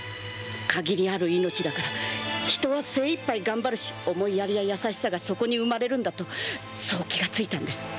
限りある命だから人は精一杯頑張るし思いやりや優しさがそこに生まれるんだとそう気が付いたんです。